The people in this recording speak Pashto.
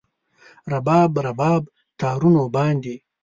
رباب، رباب تارونو باندې